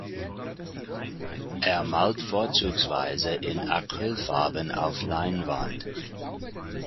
Er malt vorzugsweise in Acrylfarben auf Leinwand.